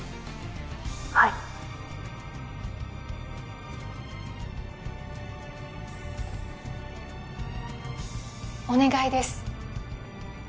はいお願いです